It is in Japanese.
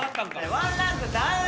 １ランクダウン！